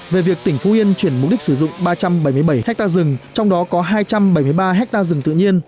về việc tỉnh phú yên chuyển mục đích sử dụng ba trăm bảy mươi bảy ha rừng trong đó có hai trăm bảy mươi ba ha rừng tự nhiên